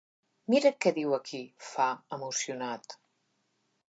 Mira què diu aquí! —fa, emocionat—.